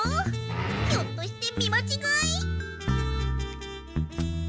ひょっとして見まちがい？